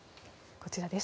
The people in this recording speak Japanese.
こちらです。